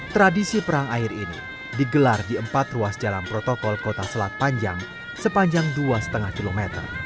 tradisi perang air ini digelar di empat ruas jalan protokol kota selat panjang sepanjang dua lima km